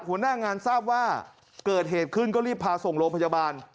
หัวหน้างานทราบว่าเกิดเหตุขึ้นก็รีบพาส่งโรงพยาบาล